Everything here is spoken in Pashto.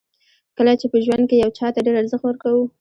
کله چې په ژوند کې یو چاته ډېر ارزښت ورکوو.